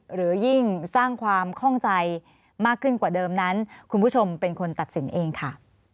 หรือยิ่งสร้างความข้องใจมากขึ้นกว่าเดิมนั้นคุณผู้ชมเป็นคนตัดสินเองค่ะ